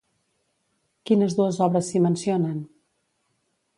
Quines dues obres s'hi mencionen?